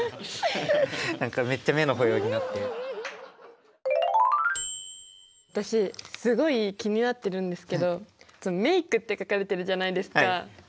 何かめっちゃ私すごい気になってるんですけど「メイク」って書かれてるじゃないですか。